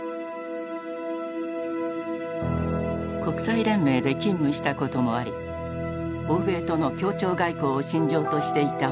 国際連盟で勤務したこともあり欧米との協調外交を信条としていた松田。